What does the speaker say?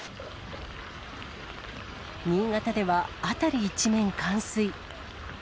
新潟では辺り一面冠水。